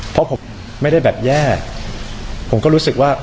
เพราะผมไม่ได้แบบแย่ผมก็รู้สึกว่า